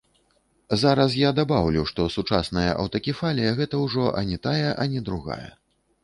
Зараз я дабаўлю, што сучасная аўтакефалія гэта ўжо ані тая, ані другая.